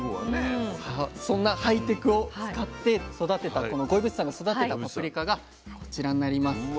そんなハイテクを使って五位渕さんが育てたパプリカがこちらになります。